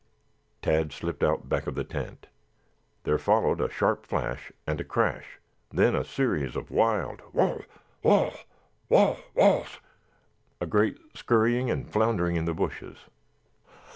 Tad slipped out back of the tent. There followed a sharp flash, and a crash, then a series of wild "waugh, waugh, waugh, waughs," a great scurrying and floundering in the bushes.